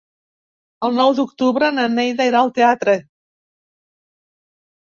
El nou d'octubre na Neida irà al teatre.